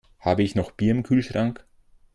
Habe ich noch Bier im Kühlschrank?